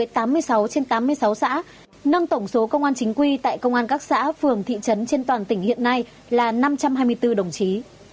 trên ba mươi sáu xã nâng tổng số công an chính quy tại công an các xã phường thị trấn trên toàn tỉnh hiện nay là năm trăm hai mươi bốn đồng chí